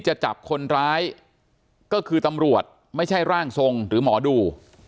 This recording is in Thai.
จะจับคนร้ายก็คือตำรวจไม่ใช่ร่างทรงหรือหมอดู